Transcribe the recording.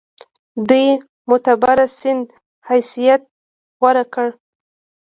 د یوه معتبر سند حیثیت غوره کړ.